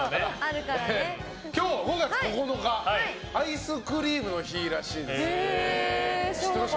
今日、５月９日はアイスクリームの日のらしいです。